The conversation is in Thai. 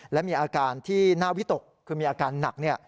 และมีอาการที่น่าวิตกคือมีอาการหนัก